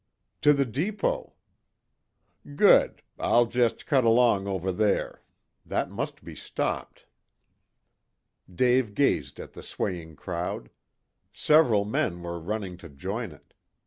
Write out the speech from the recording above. "To the depot." "Good. I'll just cut along over there. That must be stopped." Dave gazed at the swaying crowd. Several men were running to join it.